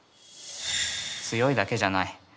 強いだけじゃない。